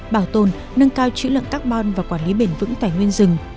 bảo tồn nâng cao chữ lượng carbon và quản lý bền vững tài nguyên rừng